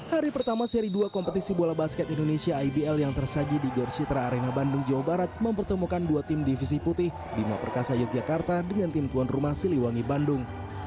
hari pertama seri dua kompetisi bola basket indonesia ibl yang tersaji di gorcitra arena bandung jawa barat mempertemukan dua tim divisi putih bima perkasa yogyakarta dengan tim tuan rumah siliwangi bandung